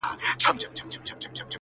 څه وکړمه څنگه چاته ښه ووايم